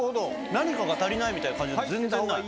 何かが足りないみたいな感じ、全然ない。